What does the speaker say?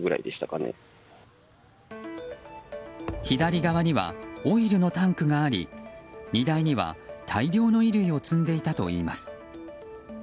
左側にはオイルのタンクがあり荷台には大量の衣類を積んでいたといいます。